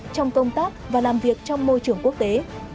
trong công tác và làm việc trong môi trường quốc tế